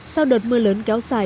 sau đợt mưa lớn kéo dài